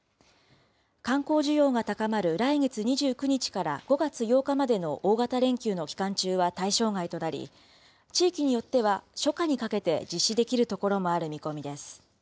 観光需要が高まる来月２９日から５月８日までの大型連休の期間中は対象外となり、地域によっては初夏にかけて実施できるところもある見込みです。